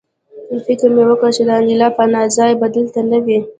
فکر مې وکړ چې د انیلا پناه ځای به دلته نه وي